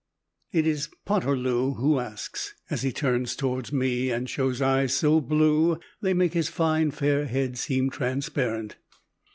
It is Poterloo who asks, as he turns towards me and shows eyes so blue that they make his fine, fair head seem transparent.